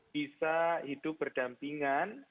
bisa hidup berdampingan